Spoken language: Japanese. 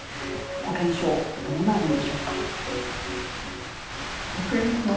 保険証、どうなるんでしょうか。